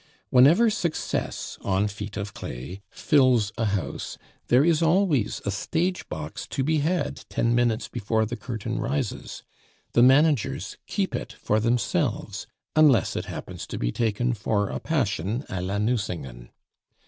Whenever success, on feet of clay, fills a house, there is always a stage box to be had ten minutes before the curtain rises. The managers keep it for themselves, unless it happens to be taken for a passion a la Nucingen.